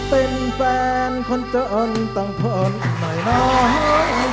เป็นแฟนคนจนต้องทนหน่อยน้อย